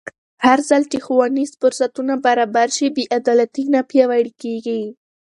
هرځل چې ښوونیز فرصتونه برابر شي، بې عدالتي نه پیاوړې کېږي.